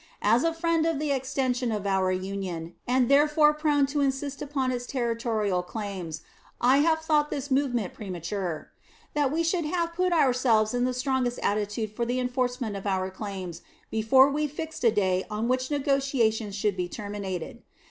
As a friend to the extension of our Union, and therefore prone to insist upon its territorial claims, I have thought this movement premature; that we should have put ourselves in the strongest attitude for the enforcement of our claims before we fixed a day on which negotiations should be terminated.